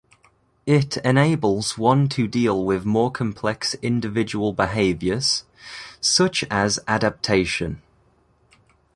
It enables one to deal with more complex individual behaviors, such as adaptation.